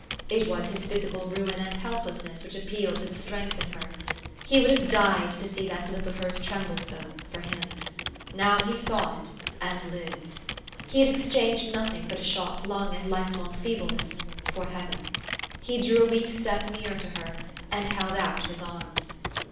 It was his physical ruin and helplessness which appealed to the strength in her. He would have died to see that lip of hers tremble so for him. Now he saw it and lived. He had exchanged nothing but a shot lung and life long feebleness for heaven. He drew a weak step nearer to her, and held out his arms.